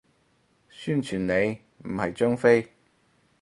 宣傳你，唔係張飛